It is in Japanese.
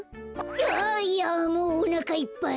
あいやもうおなかいっぱい。